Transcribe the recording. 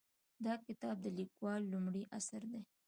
دا کتاب د لیکوالې لومړنی اثر دی